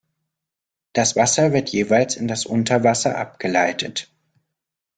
Das Wasser wird jeweils in das Unterwasser abgeleitet.